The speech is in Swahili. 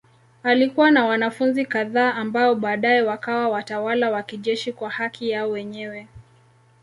Alikuwa na wanafunzi kadhaa ambao baadaye wakawa watawala wa kijeshi kwa haki yao wenyewe.